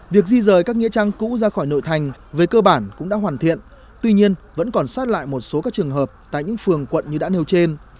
việc di rời các nghĩa trang cũ ra khỏi nội thành về cơ bản cũng đã hoàn thiện tuy nhiên vẫn còn sót lại một số các trường hợp tại những phường quận như đã nêu trên